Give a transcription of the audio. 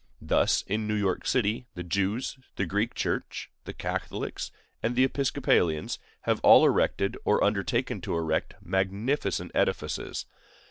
Thus, in New York city, the Jews, the Greek Church, the Catholics, and the Episcopalians have all erected, or undertaken to erect, magnificent edifices.